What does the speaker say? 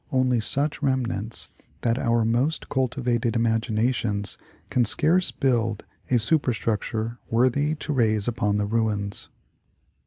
only such remnants that our most cultivated imaginations can scarce build a superstructure worthy to raise upon the ruins.